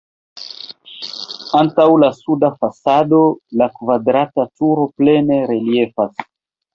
Antaŭ la suda fasado la kvadrata turo plene reliefas.